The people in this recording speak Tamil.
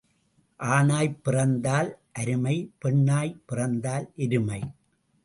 ஆணாய்ப் பிறந்தால் அருமை பெண்ணாய்ப் பிறந்தால் எருமை.